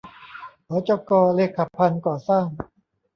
หจก.เลขะพันธุ์ก่อสร้าง